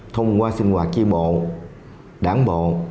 thông qua sinh hoạt tri bộ đảng bộ